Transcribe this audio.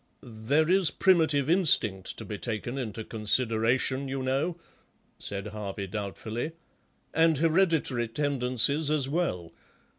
"There is primitive instinct to be taken into consideration, you know," said Harvey doubtfully, "and hereditary tendencies as well.